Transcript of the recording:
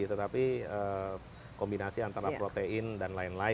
tetapi kombinasi antara protein dan lain lain